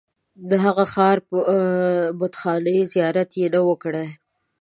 د هغه ښار بتخانې زیارت یې نه وي کړی.